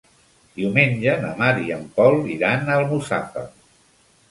Diumenge na Mar i en Pol iran a Almussafes.